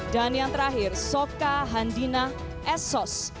dan yang terakhir soka handina esos